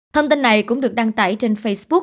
thông tin này cũng được đăng tải trên facebook